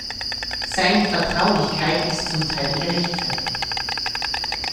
Seine Vertraulichkeit ist zum Teil gerechtfertigt.